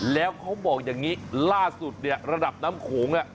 แล้วเขาบอกอย่างนี้ล่าสุดเนี่ยระดับน้ำโขง